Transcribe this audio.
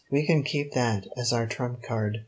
We can keep that as our trump card."